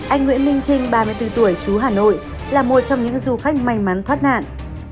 anh nguyễn minh trinh ba mươi bốn tuổi chú hà nội là một trong những du khách may mắn thoát nạn